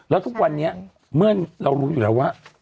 แล้วทุกวันนี้เมื่อเรารู้อยู่แล้วว่า